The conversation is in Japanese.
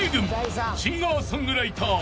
［シンガー・ソングライター］